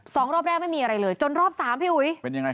สองรอบแรกไม่มีอะไรเลยจนรอบ๓พี่อุ๋ย